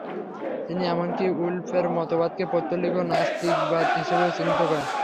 তিনি এমনকি উলফের মতবাদকে "পৌত্তলিক ও নাস্তিকতাবাদ" হিসাবেও চিহ্নিত করেন।